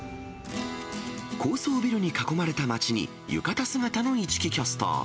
高層ビルに囲まれた街に、浴衣姿の市來キャスター。